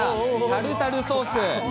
タルタルソース。